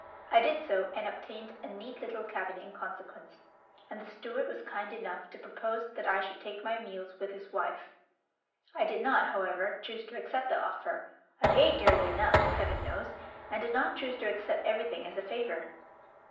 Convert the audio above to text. I did so, and obtained a neat little cabin in consequence, and the steward was kind enough to propose that I should take my meals with his wife. I did not, however, choose to accept the offer; I paid dearly enough, Heaven knows, and did not choose to accept everything as a favour.